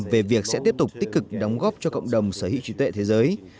về việc sẽ tiếp tục tích cực đóng góp cho cộng đồng sở hữu trí tuệ thế giới